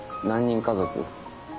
何人家族？